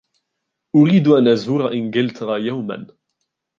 أريد أن أزور إنجلترا يوما.